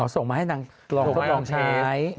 อ๋อส่งมาให้นางลองใช้